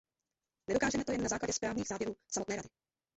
Nedokážeme to jen na základě správných závěrů samotné Rady.